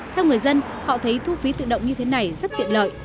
theo người dân họ thấy thu phí tự động như thế này rất tiện lợi